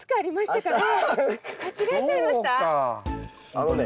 あのね